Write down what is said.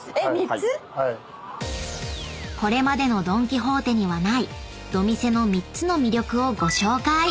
［これまでのドン・キホーテにはないドミセの３つの魅力をご紹介］